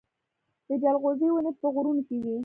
د جلغوزي ونې په غرونو کې وي